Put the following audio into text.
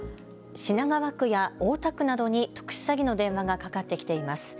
品川区や大田区などに特殊詐欺の電話がかかってきています。